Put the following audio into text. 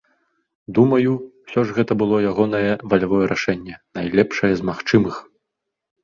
Думаю, усё ж гэта было ягонае валявое рашэнне, найлепшае з магчымых.